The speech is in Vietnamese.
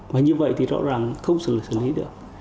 và như vậy thì rõ ràng không xử lý được